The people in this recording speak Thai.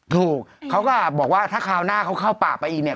เขาก็บอกว่าถ้าคราวหน้าเขาเข้าป่าไปอีกเนี่ย